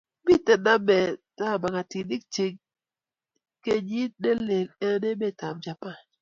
Miten ame magatinik eng kenyit nelel eng emetab Japan